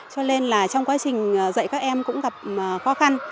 cho nên là trong quá trình dạy các em cũng gặp khó khăn